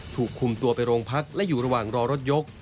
ถูกคุมตัวไปโรงพักและอยู่ระหว่างรอรถยก